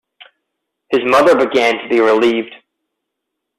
His mother began to be relieved.